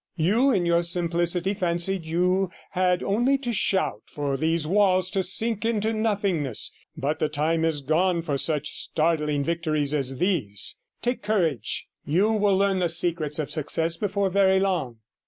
You, in your simplicity, fancied you had only to shout for these walls to sink into nothingness, but the time is gone for such startling victories as these. Take courage; you will learn the secret of success before very long.'